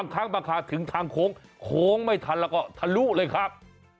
ต่างมาค่ะถึงทางโขงโขงไม่ทันแล้วก็ทะลุเลยครับ